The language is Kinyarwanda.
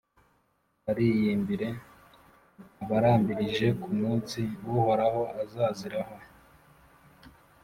Bariyimbire abarambirije ku munsi Uhoraho azaziraho!